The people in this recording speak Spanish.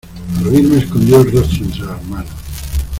al oírme escondió el rostro entre las manos: